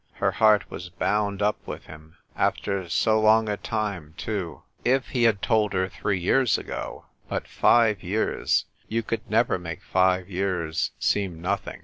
Her heart was bound up with him. After so long a time, too ! If he had told her three years ago But five years — you could never make five years seem nothing.